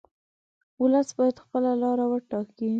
ولس باید خپله لار وټاکي.